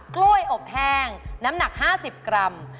กล้วยอบแห้งน้ำหนัก๕๐กรัม